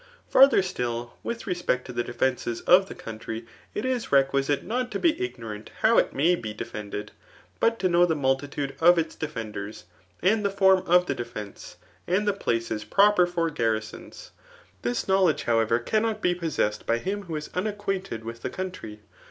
Farther still, unth respect to the defence of the coiau try» k is requisite not to be ignorant how it may be d^ lended, but to know die multitude of its defenders, and* the form of the defence^ and the places proper for garrU ^QSA This knowledge, however, cannot be poasesaed by: him'who is unacquainted with the country.